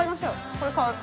◆これ買う。